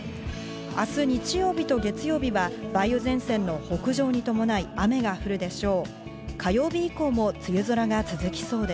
明日、日曜日と月曜日は梅雨前線の北上に伴い雨が降るでしょう。